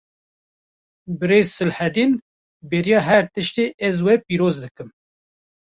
Birêz Silhedîn, beriya her tiştî ez we pîroz dikim